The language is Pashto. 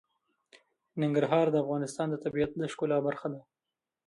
ننګرهار د افغانستان د طبیعت د ښکلا برخه ده.